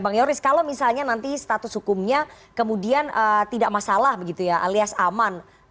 bang yoris kalau misalnya nanti status hukumnya kemudian tidak masalah begitu ya alias aman